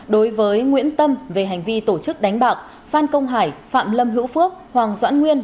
đối với nguyễn tâm về hành vi tổ chức đánh bạc phan công hải phạm lâm hữu phước hoàng doãn nguyên